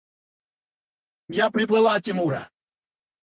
– Я приплыла от Тимура.